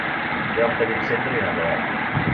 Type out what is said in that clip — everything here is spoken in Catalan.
Hi ha un petit centre inacabat.